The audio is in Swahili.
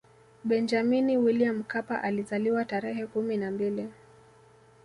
benjamini william mkapa alizaliwa tarehe kumi na mbili